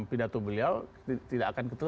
pidato beliau tidak akan ketemu